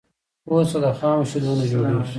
پوڅه د خامو شیدونه جوړیږی.